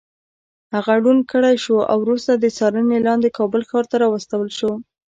هغه ړوند کړی شو او وروسته د څارنې لاندې کابل ښار ته راوستل شو.